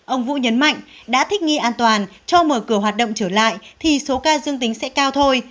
ông vũ nhấn mạnh đã thích nghi an toàn cho mở cửa hoạt động trở lại thì số ca dương tính sẽ cao thôi